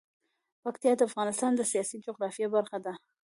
پکتیکا د افغانستان د سیاسي جغرافیه برخه ده.